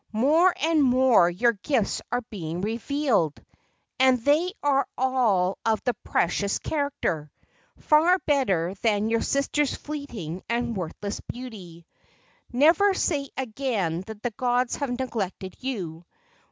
"More and more your gifts are being revealed, and they are all of the precious character far better than your sister's fleeting and worthless beauty. Never say again that the gods have neglected you.